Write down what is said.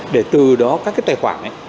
để từ đó các cái tài khoản ấy